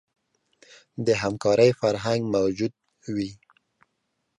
د همکارۍ فرهنګ موجود وي.